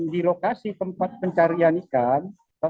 di lokasi tempat pencarian ikan